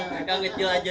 mereka kecil aja